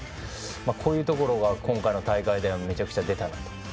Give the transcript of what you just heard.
こういうところが今大会でもめちゃくちゃ出たなと。